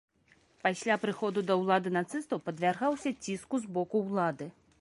Пасля прыходу да ўлады нацыстаў падвяргаўся ціску з боку ўлады.